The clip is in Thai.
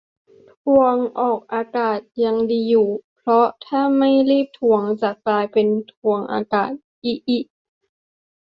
ทวงออกอากาศ ยังดีอยู่ เพราะถ้าไม่รีบทวง จะกลายเป็น ทวงอากาศ อิอิ